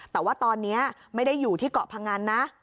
แต่ว่าตอนนี้ไม่ได้อยู่ที่เกาะพงันนะ